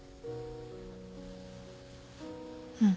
うん。